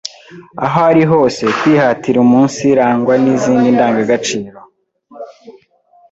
aho ari hose, kwihatira umunsirangwa n’izi ndangagaciro